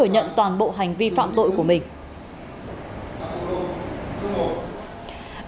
thành đã thử nhận toàn bộ hành vi phạm tội của mình